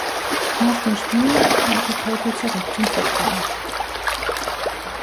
Nach den Spielen kehrte Capel zurück zum Football.